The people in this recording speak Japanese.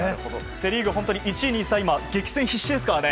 セ・リーグは本当に１、２、３全員激戦必至ですから。